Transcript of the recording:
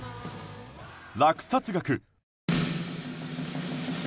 落札額